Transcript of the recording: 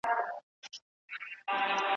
دا هغه کتاب دی چي په کې رښتیا لیکل سوي.